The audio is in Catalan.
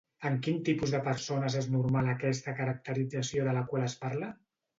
En quin tipus de persones és normal aquesta caracterització de la qual es parla?